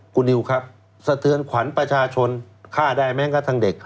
คุณนิวครับสะเทือนขวัญประชาชนฆ่าได้แม้กระทั่งเด็ก